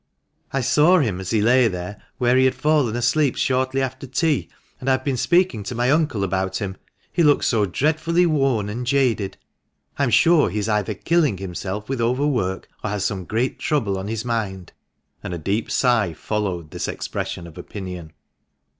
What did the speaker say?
" I saw him as he lay there, where he had fallen asleep shortly after tea, and I have been speaking to my uncle about him ; he looks so dreadfully worn and jaded, I am sure he is either killing himself with overwork or has some great trouble on his mind," and a deep sigh followed this expression of opinion.